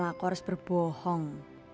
aku harus berbohong